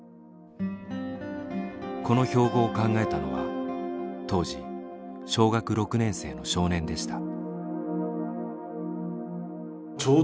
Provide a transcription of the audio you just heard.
この標語を考えたのは当時小学６年生の少年でした。